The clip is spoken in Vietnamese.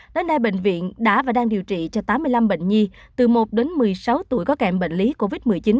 đến nay bệnh viện đã và đang điều trị cho tám mươi năm bệnh nhi từ một đến một mươi sáu tuổi có kèm bệnh lý covid một mươi chín